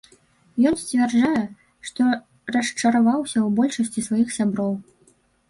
Ён сцвярджае, што расчараваўся ў большасці сваіх сяброў.